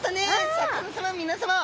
シャーク香音さま皆さま。